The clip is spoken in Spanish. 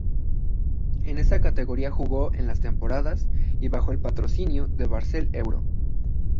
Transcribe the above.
En esa categoría jugó en las temporadas y bajo el patrocinio de Barcel Euro.